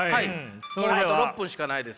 もうあと６分しかないです。